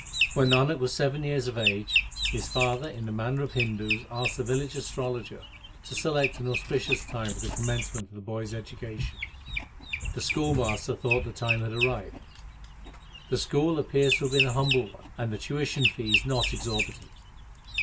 When Nanak was seven years of age, his father in the manner of Hindus asked the village astrologer to select an auspicious time for the commencement of the boy s education. The schoolmaster thought the time had arrived. The school appears to have been a humble one, and the tuition fees not exorbitant.